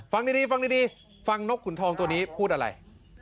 ฟังดีฟังดีฟังนกขุนทองตัวนี้พูดอะไร